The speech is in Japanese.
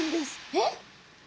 えっ？